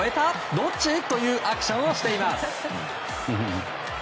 どっち？というアクションをしています。